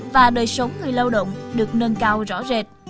và đời sống người lao động được nâng cao rõ rệt